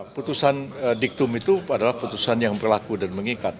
putusan diktum itu adalah putusan yang berlaku dan mengikat